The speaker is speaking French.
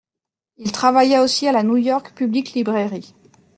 Il travailla aussi à la New York Public Library.